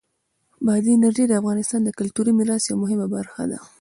بادي انرژي د افغانستان د کلتوری میراث یوه مهمه برخه ده.